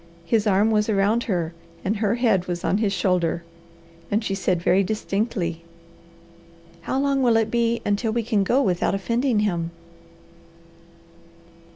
His arm was around her, and her head was on his shoulder; and she said very distinctly, "How long will it be until we can go without offending him?"